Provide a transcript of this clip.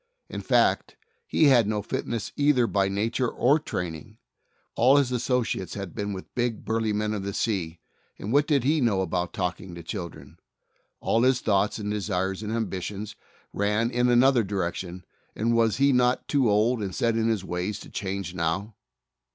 In fact, he had no fitness either by nature or training, for that kind of work; all his associates had been with the big, burly men of the sea, and what did he know about talking to children? All his thoughts and desires and ambitions ran in another direction, and was he not too old .ind set in his ways to change now?